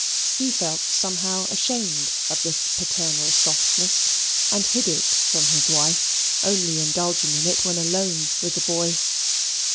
He felt somehow ashamed of this paternal softness and hid it from his wife only indulging in it when alone with the boy.